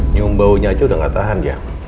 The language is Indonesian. nyum baunya aja udah gak tahan dia